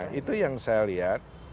nah itu yang saya lihat